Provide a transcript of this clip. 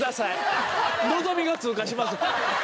のぞみが通過します」。